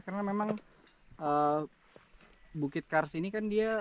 karena memang bukit kars ini kan dia